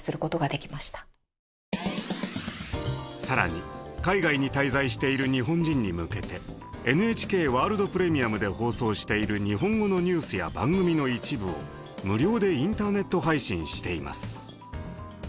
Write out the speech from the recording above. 更に海外に滞在している日本人に向けてＮＨＫワールド・プレミアムで放送している日本語のニュースや番組の一部を無料でインターネット配信しています。